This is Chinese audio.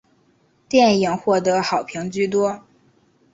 电影获得好评居多。